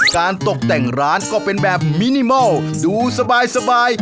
การตกแต่งร้านก็เป็นแบบมินิมอลดูสบาย